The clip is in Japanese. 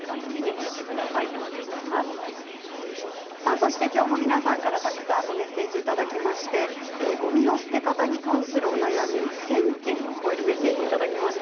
そして、きょうも皆さんからたくさんのメッセージいただきましてごみの捨て方に関するお悩み１０００件を超えるメッセージいただきました。